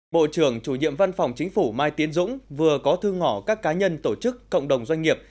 bộ trưởng chủ nhiệm văn phòng chính phủ mai tiến dũng vừa có thư ngỏ các cá nhân tổ chức cộng đồng doanh nghiệp